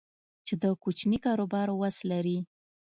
چې د کوچني کاروبار وس لري